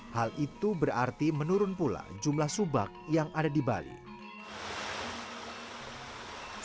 hal itu berarti menurun pula jumlah subak yang ada di bali